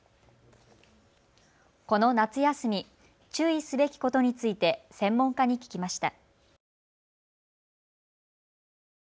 この夏休み、注意すべきことについて専門家に聞きました。